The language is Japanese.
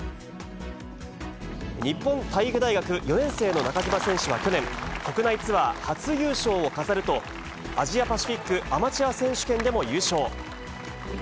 日本体育大学４年生の中島選手は去年、国内ツアー初優勝を飾ると、アジアパシフィックアマチュア選手権でも優勝。